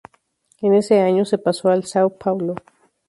En ese año se pasó al São Paulo.